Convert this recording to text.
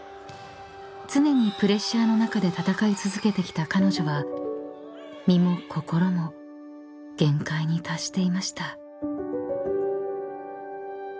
［常にプレッシャーの中で戦い続けてきた彼女は身も心も限界に達していました］